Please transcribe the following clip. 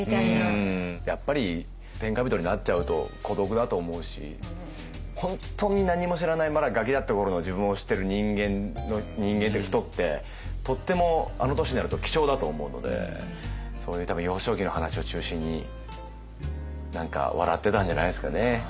やっぱり天下人になっちゃうと孤独だと思うし本当に何も知らないまだガキだった頃の自分を知ってる人間人ってとってもあの年になると貴重だと思うのでそういう多分幼少期の話を中心に何か笑ってたんじゃないですかね。